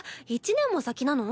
１年も先なの？